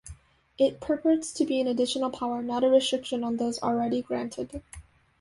It purports to be an additional power, not a restriction on those already granted.